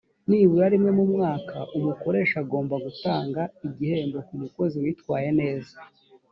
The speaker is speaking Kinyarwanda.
nibura rimwe mu mwaka umukoresha agomba gutanga igihembo ku mukozi witwaye neza